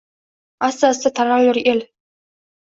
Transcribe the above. Asta-asta taralur el